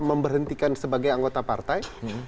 memberhentikan sebagai anggota partai